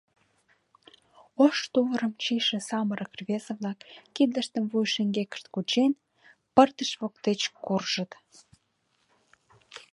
Ош тувырым чийыше самырык рвезе-влак, кидыштым вуй шеҥгекышт кучен, пырдыж воктеч куржыт.